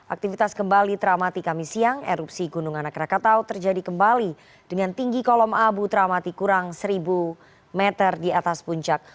aktivitas kembali teramati kami siang erupsi gunung anak rakatau terjadi kembali dengan tinggi kolom abu teramati kurang seribu meter di atas puncak